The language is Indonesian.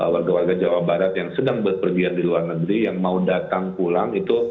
warga warga jawa barat yang sedang berpergian di luar negeri yang mau datang pulang itu